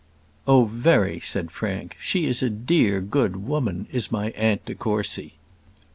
"Oh, very!" said Frank: "she is a dear, good woman, is my Aunt de Courcy."